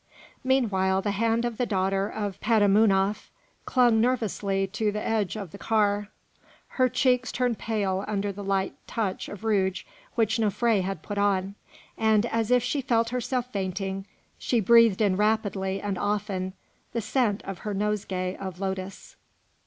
Meanwhile the hand of the daughter of Petamounoph clung nervously to the edge of the car; her cheeks turned pale under the light touch of rouge which Nofré had put on, and as if she felt herself fainting, she breathed in rapidly and often the scent of her nosegay of lotus.